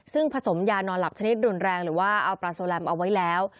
ซึ่งผสมยานอนหลับชนิดรุนแรงหรือว่าเอาปลาโซแลมเอาไว้แล้ว